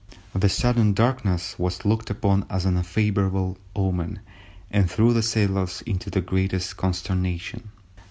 The sudden darkness was looked upon as an unfavourable omen, and threw the sailors into the greatest consternation.